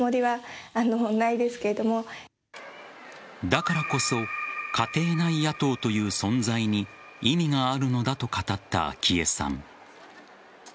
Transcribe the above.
だからこそ家庭内野党という存在に意味があるのだと語った昭恵さん。